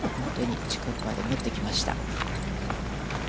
近くまで持ってきました。